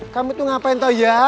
kamu tuh ngapain tau ya